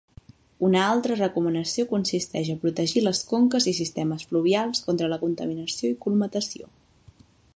Una altra recomanació consisteix a protegir les conques i sistemes fluvials contra la contaminació i colmatació.